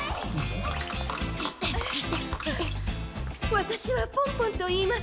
わたしはポンポンといいます。